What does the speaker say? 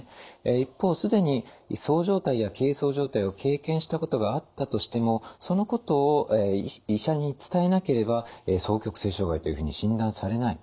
一方既にそう状態や軽そう状態を経験したことがあったとしてもそのことを医者に伝えなければ双極性障害というふうに診断されない。